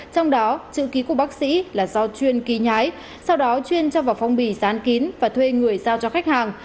trong đó chữ ký của bác sĩ là do chuyên ký nhái sau đó chuyên cho vào phong bì dán kín và thuê người giao cho khách hàng